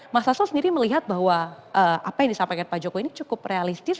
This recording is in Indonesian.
mas sasso sendiri melihat bahwa apa yang disampaikan pak jokowi ini cukup realistis